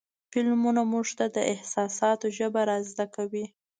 فلمونه موږ ته د احساساتو ژبه را زده کوي.